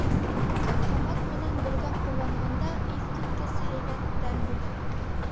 Томат менән бергә ҡулланғанда иҫ киткес һәйбәт тәм бирә.